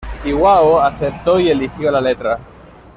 Iwao aceptó y eligió la letra.